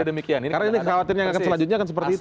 karena ini kekhawatiran selanjutnya akan seperti itu